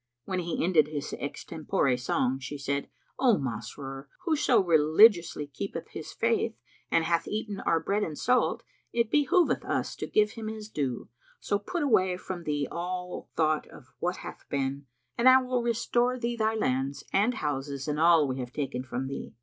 When he ended his extempore song she said, "O Masrur, whoso religiously keepeth his faith and hath eaten our bread and salt, it behoveth us to give him his due; so put away from thee all thought of what hath been and I will restore thee thy lands and houses and all we have taken from thee."